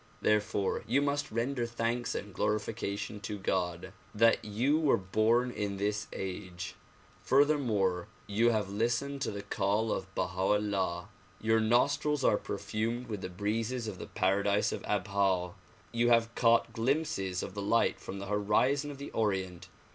Therefore you must render thanks and glorification to God that you were born in this age. Furthermore, you have listened to the call of Baha 'Ullaii. Your nostrils are perfumed with the breezes of the paradise of Abha. You have caught glimpses of the light from the horizon of the Orient.